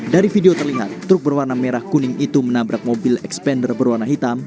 dari video terlihat truk berwarna merah kuning itu menabrak mobil expander berwarna hitam